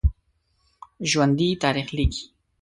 ژوندي تاریخ لیکي